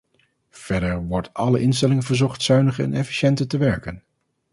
Verder wordt alle instellingen verzocht zuiniger en efficiënter te werken.